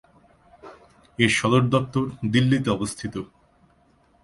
এর সদর দপ্তর দিল্লিতে অবস্থিত।